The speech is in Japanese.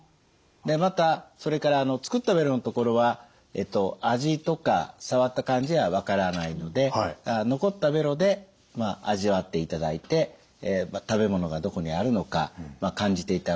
またそれから作ったベロの所は味とか触った感じは分からないので残ったベロで味わっていただいて食べ物がどこにあるのか感じていただくことになります。